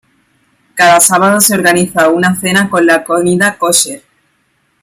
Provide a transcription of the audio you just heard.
Cada sábado se organiza una cena con la comida kosher.